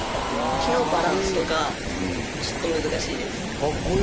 木のバランスとかちょっと難しいです。